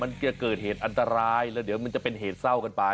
มันจะเกิดเหตุอันตรายแล้วเดี๋ยวมันจะเป็นเหตุเศร้ากันไป